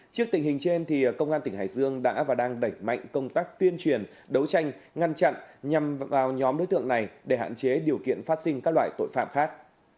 trước tình hình trên công an tỉnh hải dương đã và đang đẩy mạnh công tác tuyên truyền đấu tranh ngăn chặn nhằm vào nhóm đối tượng này để hạn chế điều kiện phát sinh các loại tội phạm khác